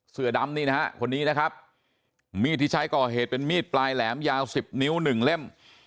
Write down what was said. เสือดำนี่นะครับมีดที่ใช้ก่อเหตุเป็นมีดปลายแหลมยาว๑๐นิ้ว๑เล่ม